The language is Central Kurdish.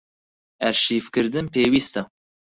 ئەرشیڤکردن پێویستە.